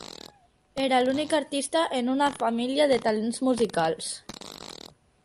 Era l'única artista en una família de talents musicals.